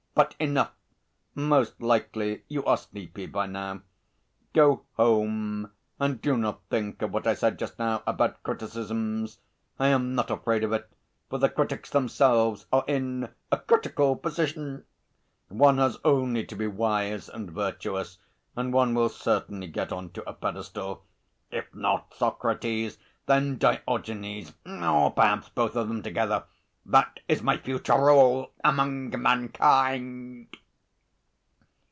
But enough; most likely you are sleepy by now. Go home, and do not think of what I said just now about criticisms: I am not afraid of it, for the critics themselves are in a critical position. One has only to be wise and virtuous and one will certainly get on to a pedestal. If not Socrates, then Diogenes, or perhaps both of them together that is my future rôle among mankind."